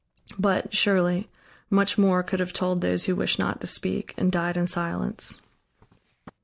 But, surely, much more could have told those who wished not to speak, and died in silence.